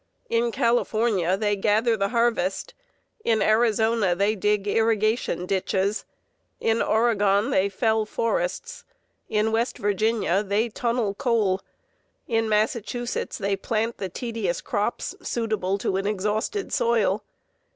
In California they gather the harvest, in Arizona they dig irrigation ditches, in Oregon they fell forests, in West Virginia they tunnel coal, in Massachusetts they plant the tedious crops suitable to an exhausted soil.